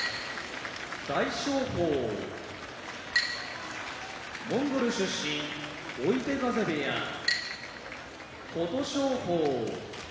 大翔鵬モンゴル出身追手風部屋琴勝峰